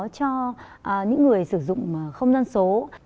cho những người sử dụng không dân số